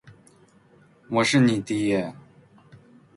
我是你爹！